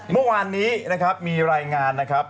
เมื่อวานนี้นะครับมีรายงานนะครับ